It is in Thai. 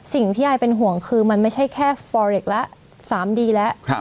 สิ่งที่ยายเป็นห่วงคือมันไม่ใช่แค่ฟอเรคละ๓ดีแล้ว